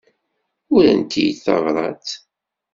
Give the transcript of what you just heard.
Urant-iyi-d tabrat.